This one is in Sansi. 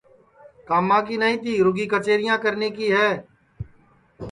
کاما کی نائی تی رُگی کچیریاں کرنے کی